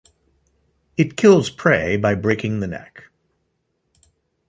It kills prey by breaking the neck.